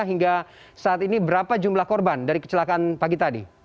hingga saat ini berapa jumlah korban dari kecelakaan pagi tadi